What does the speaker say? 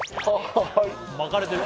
巻かれてる？